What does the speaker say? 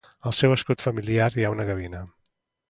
Al seu escut familiar hi ha una gavina.